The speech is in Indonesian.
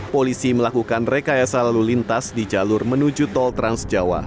polisi melakukan rekayasa lalu lintas di jalur menuju tol transjawa